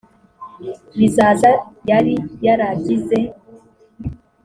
b i zaza yari yaragize